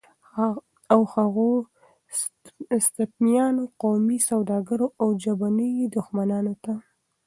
او هغو ستمیانو، قومي سوداګرو او ژبني دښمنانو ته